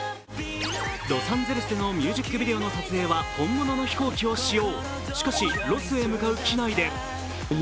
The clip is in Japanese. ロサンゼルスでのミュージックビデオの撮影は本物の飛行機を使用。